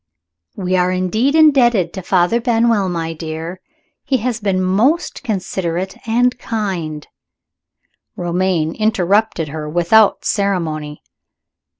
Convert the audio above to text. "We are indeed indebted to Father Benwell, my dear. He has been most considerate and kind " Romayne interrupted her without ceremony.